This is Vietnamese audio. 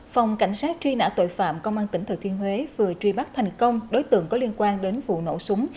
phòng cảnh sát truy nã tội phạm công an tỉnh thừa thiên huế vừa truy bắt thành công đối tượng có liên quan đến vụ nổ súng